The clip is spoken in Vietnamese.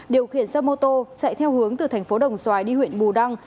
điều khiển xe mô tô chạy theo hướng từ thành phố đồng xoài đi huyện bù đăng